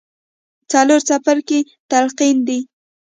څلورم څپرکی تلقين دی.